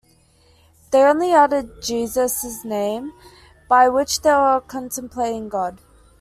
They only uttered Jesus' name by which they were contemplating God.